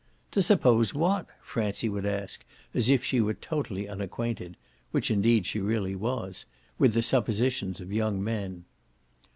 "To suppose what?" Francie would ask as if she were totally unacquainted which indeed she really was with the suppositions of young men.